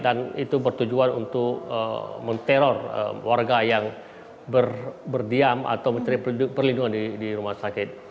dan itu bertujuan untuk mengeror warga yang berdiam atau mencari perlindungan di rumah sakit